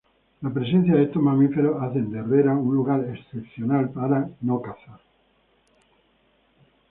La presencia de estos mamíferos hacen de Herrera un lugar excepcional para la caza.